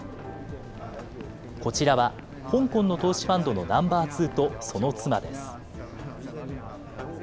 こちらは、香港の投資ファンドのナンバー２とその妻です。